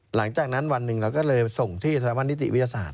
หลังจากนั้นวันหนึ่งเราก็เลยส่งที่สถาบันนิติวิทยาศาสตร์